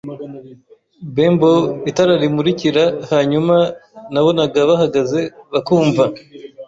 Benbow, itara rimurikira; hanyuma nabonaga bahagaze, bakumva